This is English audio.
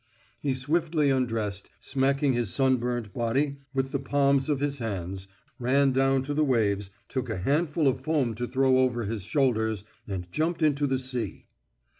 He swiftly undressed, smacking his sunburnt body with the palms of his hands, ran down to the waves, took a handful of foam to throw over his shoulders, and jumped into the sea.